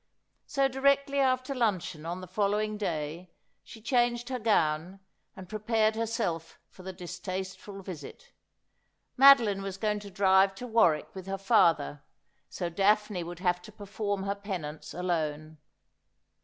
So directly after luncheon on the following day she changed her gown, and prepared her self for the distasteful visit. Madeline was going to drive to ' Love maketh All to gone Misioay.' 65 Warwick with her father, so Daphne would have to perform her penance alone.